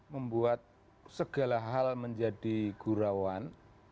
membuat segala hal menjadi gurawan